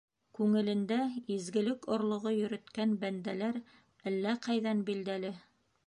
Күңелендә изгелек орлоғо йөрөткән бәндәләр әллә ҡайҙан билдәле...